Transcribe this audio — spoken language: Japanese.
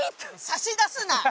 差し出すな！